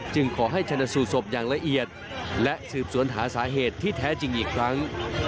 ขอให้ชนะสูตรศพอย่างละเอียดและสืบสวนหาสาเหตุที่แท้จริงอีกครั้ง